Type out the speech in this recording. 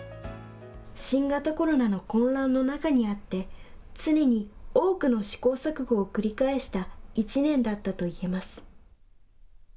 新型コロナの混乱の中にあって常に多くの試行錯誤を繰り返した１年だったと言えます。